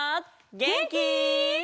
げんき？